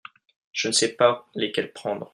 Je ne sais pas lesquelles prendre.